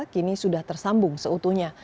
kini sudah tersambung seutuhnya